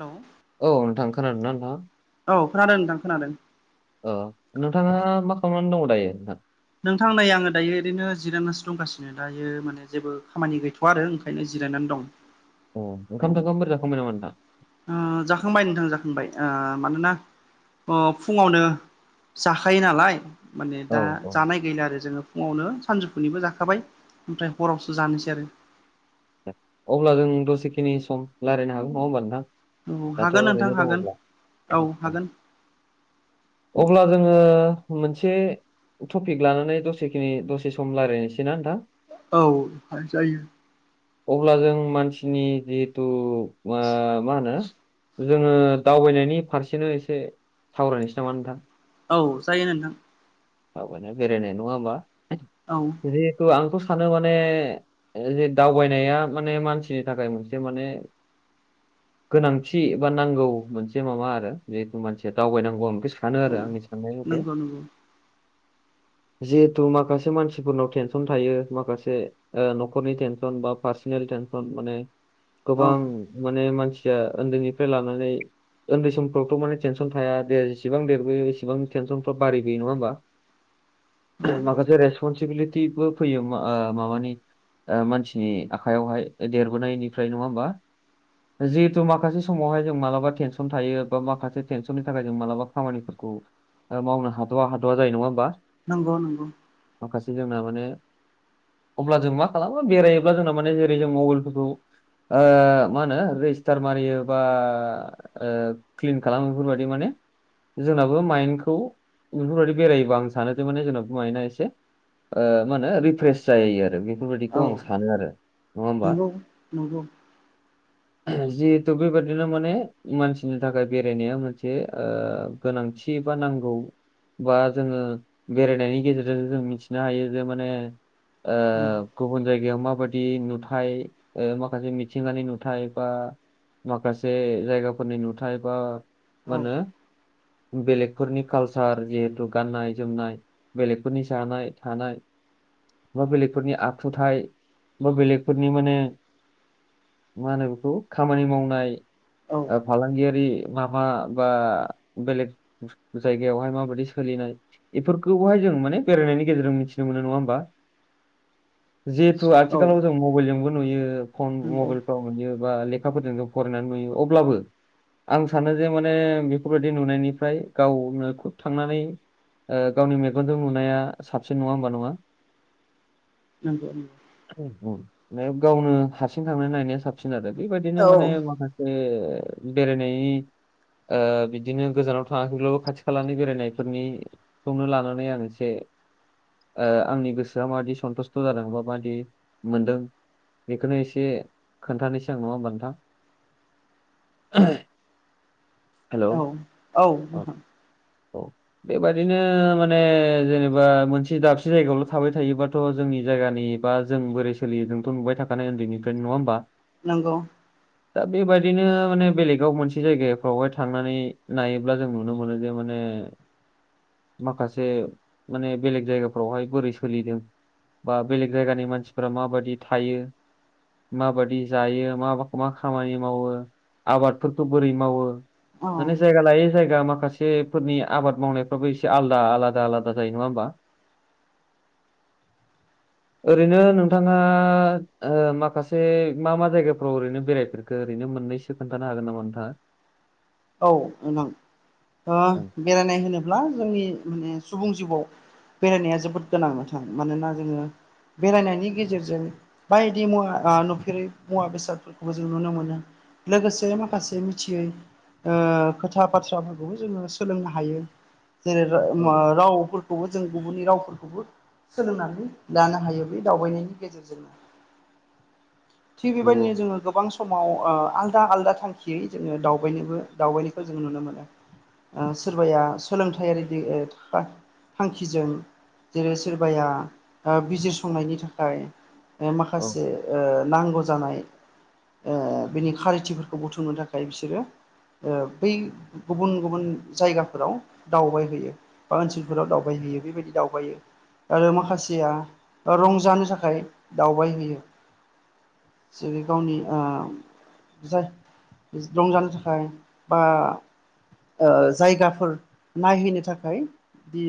हेल' औ नोंथां खोनादों ना नोंथांआ औ खोनादों नोंथां खोनादों अ नोंथाङा मा खालामनानै दङ दायो नोंथां नोंथां नै आङो दायो ओरैनो जिरायनासो दंगासिनो। दायो माने जेबो खामानि गैथ'वआ आरो ओंखायनो जिरायनानै दं अ ओंखाम थोमखामफोर जाखांबायनामा नोंथां ओ जाखांबाय नोंथां जाखांबाय ओ मानोना अ फुङावनो जाखायो नालाय माने औ दा औ जानाय गैला आरो जोङो फुङावनो सानजौफुनिबो जाखाबाय ओमफ्राय हरावसो जानोसै आरो अब्ला जों दसेखिनि सम रायज्लायनो हागोन नङा होमबा नोंथां औ दाथ' हागोन नोंथां ओरैनो हागोन दङब्ला औ हागोन अब्ला जोङो मोनसे टपिक लानानै दसेखिनि दसे सम रायज्लायनोसैना नोंथां औ जायो अब्ला जों मानसिनि जिहेथु मा होनो जोङो दावबायनायनि फारसेनो एसे सावरायनोसै नामा नोंथां औ जायो नोंथां दावबायनाय बेरायनाय नङा होमबा? औ जिहेतु आंथ' सानो माने जे दावबायनाया माने मानसिनि थाखाय मोनसे माने गोनांथि बा नांगौ मोनसे माबा आरो जिथु मानसिया दावबायनांगौ [unintelligible] सानो आरो आंनि साननाय मथे। नंगौ नंगौ जिहेथु माखासे मानसिफोरनाव टेनसन थायो माखासे ओ न'खरनि टेनसन बा पार्सनेल टेनसन माने औ गोबां माने मानसि या उन्दैनिफ्राय लानानै उन्दै समफ्रावथ' माने टेनसन थाया देया जेसेबां देरबोयो एसेबां टेनसनफ्रा बारायबोयो नङा हो बा औ [unintelligible] माखासे रेसपनसिबिलिटिबो फैयो ओ माबानि ओ मानसिनि आखाइयावहाय देरबोनायनिफ्राय नङा होमबा। जिहेथु माखासे समावहाय जों मालाबा टेनसन थायो बा माखासे टेनसननि थाखाय जों मालाबा खामानिफोरखौ मावनो हाद'वा-हाद'वा जायो नङा होमबा। नंगौ-नंगौ। माखासे जोंना माने अब्ला जों मा खालामो बेरायोब्ला जोंना माने जेरै जों मबाइलफोरखौ ओ मा होनो रेजिस्टार मारियो बा ओ क्लिन खालामो बेफोरबायदि माने जोंनाबो माइन्दखौ बेफोरबायदि बेरायोबा आं सानो जे माने जोंङो माइन्डना एसे ओ मा होनो रिफ्रेस जायो आरो औ बेफोरबायदिखौ आं सानो आरो। नङा होमबा। नंगौ नंगौ [unintelligible] जिहेथु बेबादिनो माने मानसिनि थाखाय बेरायनाया मोनसे ओ गोनांथि बा नांगौ बा जोङो बेरायनायनि गेजेरजों जों मिथिनो हायो जे माने ओ औ गुबुन जायगायाव माबादि नुथाय ओ माखासे मिथिंगानि नुथाय बा माखासे जायगाफोरनि नुथाय बा मा औ होनो बेलेगफोरनि कालसार जे थु गाननाय जोमनाय बेलेगफोरनि जानाय थानाय बा बेलेगफोरनि आखुथायाइ बा बेलेगफोरनि माने मा होनो बेखौ खामानि मावनाय औ ओ फालांगियारि माबा बा बेलेग जायगायावहाय माबादि सोलिनाय बेफोरखौहाय जों माने बेरायनायनि गेजेरजों मिथिनो मोनो नङा होमबा। जिहेथु औ आथिखालाव जों मबाइलजोंबो नुयो फन नंगौ मबाइलफ्राव मोनयो बा लेखाफोरजों जों फरायनानै नुयो अब्लाबो आं सानो जे माने बेफोरबायदि नुनायनिफ्राय गावनो खुब थांनानै ओ गावनि मेगनजों नुनाया साबसिन नङा होमबा नङा। नंगौ-नंगौ। [unintelligible] [unintelligible] गावनो हारसिं थांनानै नायनाया साबसिन आरो बेबायदिनो औ माने माखा से बेेरायनायनि ओ बिदिनो गोजानाव थाङाखैब्लाबो खाथि खालानि बेरायनाय फोरनिखौनो लानानै आं एसे ओ आंनि गोसोआ माबादि सन्थुस्थ' जादों बा माबादि मोनदों बेखौनो एसे खोन्थानोसै आं नङा होमबा नोंथां। [unintelligible] हेलौ औ-औ [unintelligible] बेबायदिनो माने जेनेबा मोनसे दाबसे जायगायावल' थाबाय थायोबाथ' जोंनि जायगानि बा जों बोरै सोलियो जोंथ' नुबाय थाखानाय उन्दैनिफ्रायनो नङा होमबा। नंगौ। [inaudible] दा बेबायदिनो माने बेलेगाव मोनसे जायगाफ्रावहाय थांनानै नायोब्ला जों नुनो मोनो जे माने माखासे माने बेलेग जायगाफ्रावहाय बोरै सोलिदों बा बेलेग जायगानि मानसिफोरा माबादि थायो। माबादि जायो मा मा खामानि मावो आबादफोरखौ' बोरै मावो। औ माने जायगा लायै जायगा माखासेफोरनि आबाद मावनाय फ्राबो एसे आलदा आलादा आलादा जायो नङा होमबा? [inaudible] ओरैनो नोंथाङा ओ माखासे मा मा जायगाफ्राव ओरैनो बेरायफेर खो ओरै मोनैसो खोनथानो हागोन नामा नोंथाङा? औ नां ओ बेरायनाय होनोब्ला जोंनि माने सुबुं जिउआव बेरायनाया जोबोद गोनां नोंथां मानोना जोङो बेरायनायनि गेजेरजों बायदि मुवा ओ नुफेरै मुवा बेसादफोरखौबो जों नुनो मोनो। लोगोसे माखासे मिथियै ओ खोथा बाथ्राफोरखौबो जोङो सोलोंनो हायो जेरै रा औ मा रावफोर खौबो जों गुबुननि रावफोरखौबो सोलोंनानै लानो हायो बे दावबायनायनि गेजेरजोंनो। [inaudible] थिग नंगौ बेबायदिनो जोङो गोबां समाव ओ आलदा आलदा थांखियै जोङो दावबायनोबो दावबायनायखौ जों नुनो मोनो। ओ सोरबाया सोलोंथायारि दि ओ था-थांखिजों जेरै सोरबाया ओ बिजिरसंनायनि थाखाय ओ औ माखासे ओ नांगौ जानाय ओ बिनि खारिथिफोरखौ बुथुमनो थाखाय बिसोरो ओ बै गुबुन गुबुन जायगाफोराव दावबायहैयो। बा ओनसोलफोराव दावबायहैयो बेबायदि दावबायो। आरो माखासेया रंजानो थाखाय दावबाय हैयो। जेरै गावनि ओ जाय रंजानो थाखाय बा ओ जायगाफोर नायहैनो थाखाय बि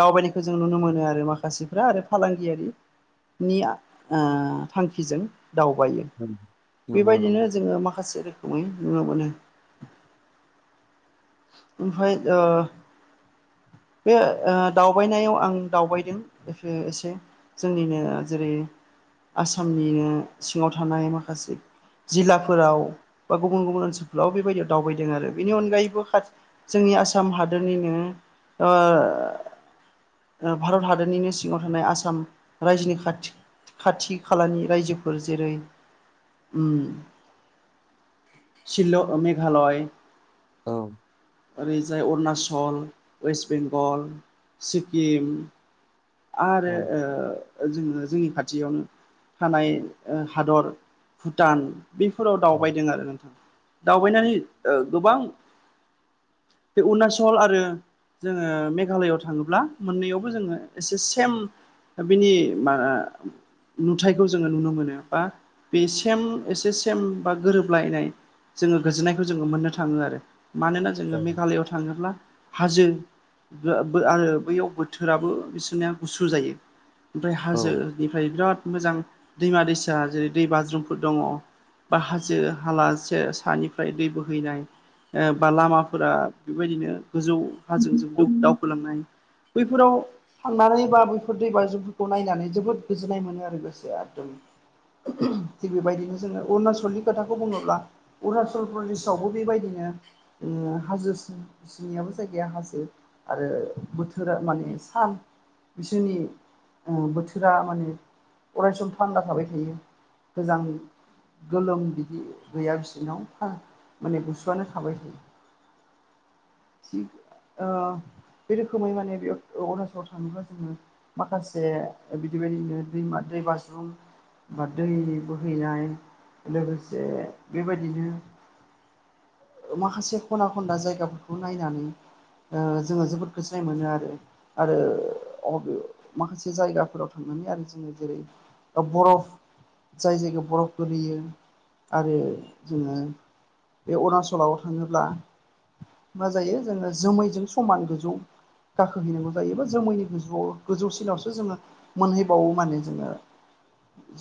दावबायनायखौ जों नुनो मोनो आरो माखासेफ्रा आरो फालांगियारि निया ओ थांखिजों दावबायो। ओं, नंगौ नंगौ बेबायदिनो जोङो माखासे रोखोमै नुनो मोनो। ओमफाय ओ बे ओ दावबायनायाव आं दावबायदों ओ एसे जोंनिनो जेरै आसामनिनो सिङाव थानाय माखासे जिल्लाफोराव बा गुबुन गुबुन ओनसोलफोराव बेबायदियाव दावबायदों आरो बेनि अनगायैबो जोंनि आसाम हादोरनिनो ओ ओ भारत हादरनिनो सिङाव थानाय आसाम रायजोनि खाथि खाथि खालानि रायजोफोर जेरै उम सिल' मेघालय औ। ओरैजाय अरुणाचल वेस्ट बेंगल सिक्किम आरो औ ओ जोङो जोंनि खाथियावनो थानाय ओ हादर भुटान बेफोराव औ दावबायदों आरो नोंथां दावबायनानै ओ गोबां बे अरुणाचल आरो जोङो मेघालयआव थाङोब्ला मोननैयावबो जोङो एसे सेम बिनि मा नुथायखौ जोङो नुनो मोनो बा बे सेम एसे सेम बा गोरोबलायनाय जोङो गोजोननायखौ जोङो मोननो थाङो आरो मानोना औ जोङो मेघालआव थाङोब्ला हाजो बो बो आरो बैयाव बोथोराबो बिसोरना गुसु जायो ओमफ्राय औ हाजो बेनिफ्राय बिराद मोजां दैमा दैसा जेरै दै बाज्रुमफोर दङ। बा हाजो हालासे सानिफ्राय दै बोहैनाय बा लामाफोरा बेबायदिनो गोजौ हाजोंजों दावखोलांनाय बैफोराव थांनानै बा बैफोर दै बाजुफोरखौ नायनानै जोबोद गोजोननाय मोनो आरो गोसोआ एखदम थिग बेबायदिनो जोङो अरुणचलनि खोथाखौ बुङोब्ला अरुणाचल प्रदेशावबो बेबायदिनो हाजोसिन बिसनियाबो जायगाया हाजो आरो बोथोरा माने सान बिसोरनि बोथोरा माने अरायसम थान्दा थाबाय थायो गोजां गोलोम बिदि गैया बिसोरनाव माने गुसुआनो खाबाय थायो। थिग बे रोखोमै माने बेयाव अरुणचल थाङोबा जोङो माखासे बिदिबायदिनो दैमा दै बाजुं बा दै बोहैनाय लोगोसे बेबायदिनो माखासे खना खनना जायगाफोरखौ नायनानै जोङो जोबोद गोजोननाय मोनो आरो आरो अ माखासे जायगाफोराव थांनानै आरो जोङो जेरै बरफ जाय जायगायाव बरफ गोयो आरो जोङो बे अरुणाचलाव थाङोब्ला मा जायो जोङो जोमैजों समान गोजौ गाखोहैनांगौ जायोबा जों मैनि गोजौआव गोजौसिनावसो जोङो मोनहैबावो माने जोङो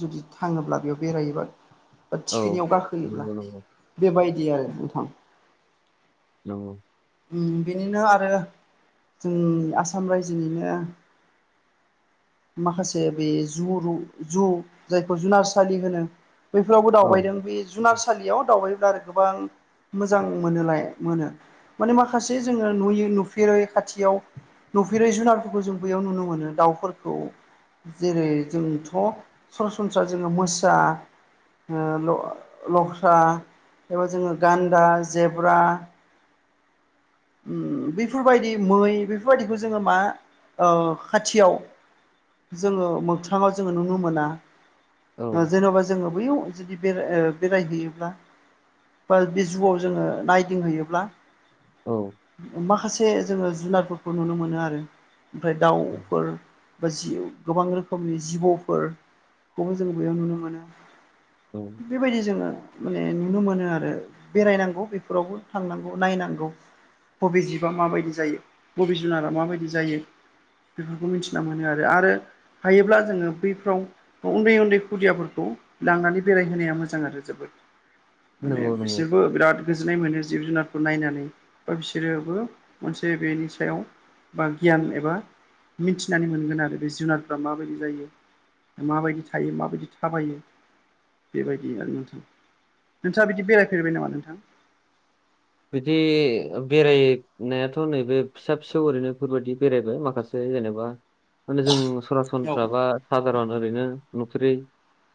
जुदि थाङोब्ला बेयाव बेरायोबा टिफिनियाव गाखोयोब्ला नंगौ नंगौ बेबायदि आरो नोंथां नंगौ बिनिनो आरो जों आसाम रायजोनिनो माखासे बे जु जु जायखौ जुनारसालि होनो बैफोरावबो औ दावबायदों बे जुनारसालियाव दावबायब्ला आरो गोबां मोजां मोनोलाय मोनो माने माखासे जोङो नुयै नुफेरो खाथियाव फेरै जुनारफोरखौ जों बैयाव नुनो मोनो दाउफोरखौ जेरै जोंथ' सरासनस्रा जोङो मोसा ओ ल-लख्रा एबा जोङो गान्दा जेब्रा उम बेफोरबायदि मै बेफोरबायदिखौ जोङो मा ओ खाथियाव जोङो मोगथङाव जोङो नुनो मोना औ जेनेबा जोङो बैयाव जुदि बे बेरायहैयोब्ला बा बे जुआव जोङो नायदिंहैयोब्ला औ माखासे जोङो जुनारफोरखौ नुनो मोनो आरो ओमफ्राय दाउफोर बा जि गोबां रोखोमनि जिबौफोर खौबो जों बेयाव नुनो मोनो औ बेबायदि जोङो माने नुनो मोनो आरो बेरायनांगौ बेफोरावबो थांनांगौ नायनांगौ बबे जिबआ माबायदि जायो बबे जुनारा माबायदि जायो बेफोरखौ मिथिना मोनो आरो आरो हायोब्ला जोङो बैफ्राव उन्दै उन्दै खुदियाफोरखौ लांनानै बेरायहोनाया मोजां आरो जोबोद माने नंगौ नंगौ बिसोरबो बिराद गोजोननाय मोनो जिब जुनारखौ नायनानै बा बिसोरोबो मोनसे बेनि सायाव बा गियान एबा मिथिनानै मोनगोन आरो बे जुनारफ्रा माबायदि जायो माबायदि थायो माबायदि थाबायो बेबायदि आरो नोंथां नोंथाङा बि बेरायफेरबाय नामा नोंथां बिदि बेरायनायाथ' नैबे फिसा फिसौ ओरैनोफोरबायदि बेरायबाय माखासे जेनेबा माने जों औ सरासनस्राबा सादारन ओरैनो नुफेरै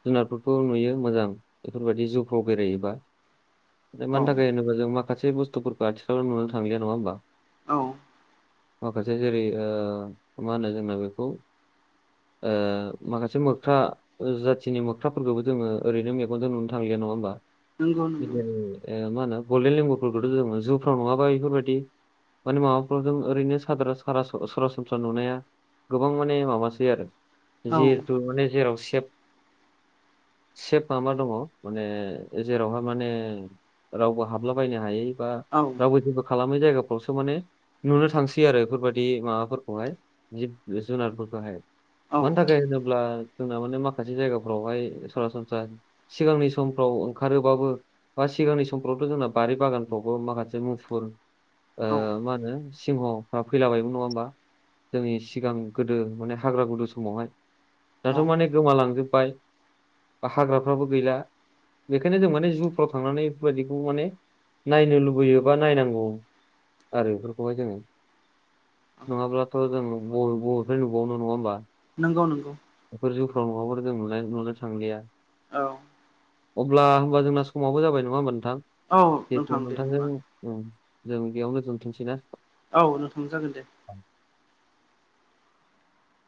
जुनारफोरखौ नुयो मोजां बेफोरबायदि जुफ्राव बेरायोबा दा औ मानो थाखाय होनोबा जों माखासे बुस्थुफोरखौ आथिखालाव नुनो थांलिया नङा होमबा? औ माखासे जेरै ओ मा होनो जोंना बेखौ ओ माखासे मोख्रा ओ जाथिनि मोख्राफोरखौबो जोङो ओरैनो मेगनजों नुनो थांलिया नङा होमबा? नंगौ नंगौ [unintelligible] मा होनो गल्डेन लेंगुफोरखौथ' जुफ्राव नङाबा बेफोरबायदि माने माबाफोरजों ओरैनो साधारन [unintelligible] सरासनस्रा नुनाया गोबां माने माबासै आरो औ जेहेथु माने जेराव सेफ सेफ मा मा दङ माने जेरावहा माने रावबो हाबलाबायनो हायै बा औ रावबो जेबो खालामै जायगाफ्रावसो माने नुनो थांसै आरो बेफोरबायदि माबाफोरखौहाय जिब जुनारफोरखौहाय मानो थाखाय होनोब्ला जोंना माने माखासे जायगाफोरावहाय सरासनस्रा सिगांनि समफ्राव ओंखारोबाबो बा सिगांनि समफ्रावथ' जोंना बारि बागानफ्रावबो माखासे मुफुर ओ औ मा होनो सिंहफ्रा फैलाबायोमोन नङा होमबा? जोंनि सिगां गोदो माने हाग्रा गुदु समावहाय दाथ' औ माने गोमालांजोबबाय‌। बा हाग्राफ्राबो गैला बेखायनो जों माने जुफ्राव थांनानै बेफोरबायदिखौ माने नायनो लुबैयो बा नायनांगौ आरो बेफोरखौहाय जोङो‌। नङाब्लाथ' जों बबे बबेनिफ्राय नुबावनो नङा होमबा? नोंगौ नोंगौ। बेफोर जुफ्राव नुवाबाथ' जों नुनाय नुनो थांलिया। औ अब्ला होमबा जोंना समाबो जाबाय नङा होमबा नोंथां। औ जेतु दे नोंथां जों होमबा ओं जों बेयावनो दोनथ'नोसैना औ नोंथां जागोन दे।